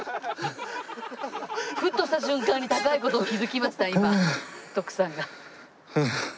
ふとした瞬間に高い事を気づきました今徳さんが。